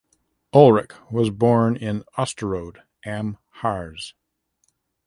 Ulrich was born in Osterode am Harz.